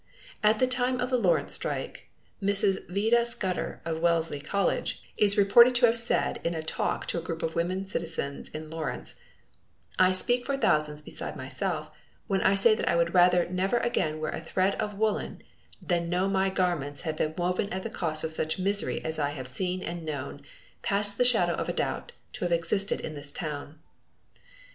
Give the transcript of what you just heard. At the time of the Lawrence strike, Miss Vida Scudder, of Wellesley College, is reported to have said in a talk to a group of women citizens in Lawrence: "I speak for thousands besides myself when I say that I would rather never again wear a thread of woolen than know my garments had been woven at the cost of such misery as I have seen and known, past the shadow of a doubt, to have existed in this town."